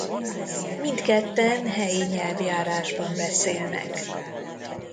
Mindketten helyi nyelvjárásban beszélnek.